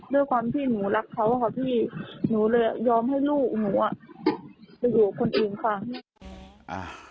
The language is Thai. ด้วยความที่หนูรักเขาค่ะพี่หนูเลยยอมให้ลูกหนูอ่ะไปอยู่กับคนอื่นค่ะ